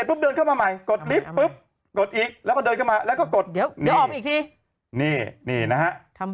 โหยวายโหยวายโหยวายโหยวายโหยวายโหยวายโหยวายโหยวาย